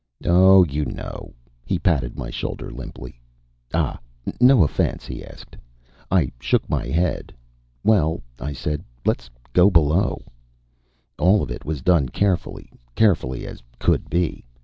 "Oh, you know." He patted my shoulder limply. "Ah, no offense?" he asked. I shook my head. "Well," I said, "let's go below." All of it was done carefully, carefully as could be.